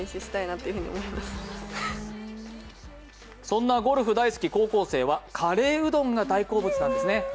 そんなゴルフ大好き高校生はカレーうどんが大好物なんです。